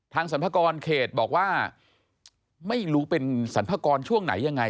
สรรพากรเขตบอกว่าไม่รู้เป็นสรรพากรช่วงไหนยังไง